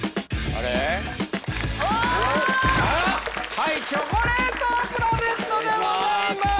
はいチョコレートプラネットでございます